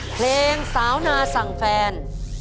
เพลงสาวนาสั่งแฟน